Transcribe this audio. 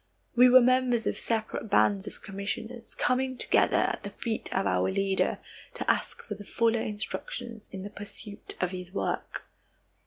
We were members of separate bands of commissioners, coming together at the feet of our Leader to ask for fuller instructions in the pursuit of his work.